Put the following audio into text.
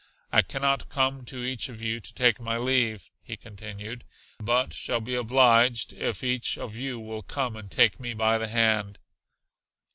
I cannot come to each of you to take my leave," he continued, "but shall be obliged if each of you will come and take me by the hand."